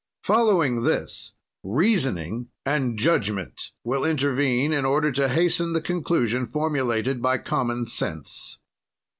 "Following this, reasoning and judgment will intervene in order to hasten the conclusion formulated by common sense.